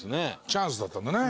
チャンスだったんだね。